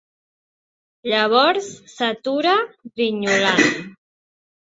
Llavors s'atura, grinyolant.